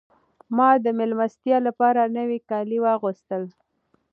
ما د مېلمستیا لپاره نوي کالي واغوستل.